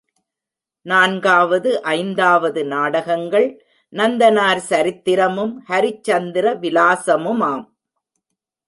நான்காவது ஐந்தாவது நாடகங்கள் நந்தனார் சரித்திரமும் ஹரிச்சந்திர விலாசமுமாம்.